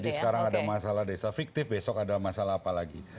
jadi sekarang ada masalah desa fiktif besok ada masalah apa lagi